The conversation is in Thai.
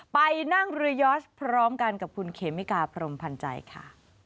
ไปนั่งเรือยอสพร้อมกันกับคุณเขมิกาพรมพันธ์ใจค่ะ